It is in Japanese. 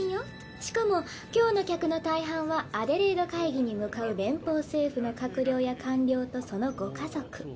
しかも今日の客の大半はアデレード会議に向かう連邦政府の閣僚や官僚とそのご家族。